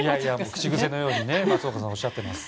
口癖のように松岡さんはおっしゃってます。